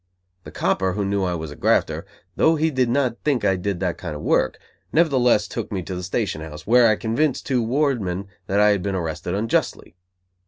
The copper, who knew I was a grafter, though he did not think I did that kind of work, nevertheless took me to the station house, where I convinced two wardmen that I had been arrested unjustly.